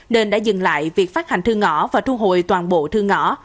nên đã dừng lại việc phát hành thương ngõ và thu hồi toàn bộ thương ngõ